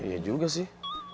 iya juga sih